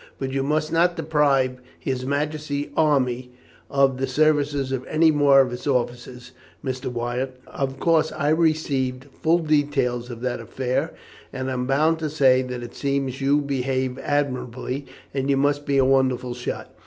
But you must not deprive His Majesty's army of the services of any more of its officers, Mr. Wyatt. Of course I received full details of that affair, and I am bound to say that it seems you behaved admirably, and you must be a wonderful shot.